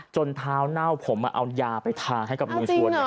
จนท้าวเน่าผมมาเอายาไปทาให้กับลุงชวน